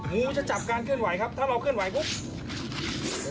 งูจะจับการเคลื่อนไหวครับถ้าเราเคลื่อนไหวปุ๊บ